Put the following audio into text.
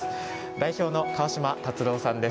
代表の川島達郎さんです。